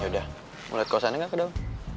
yaudah mau liat kawasannya gak ke dalam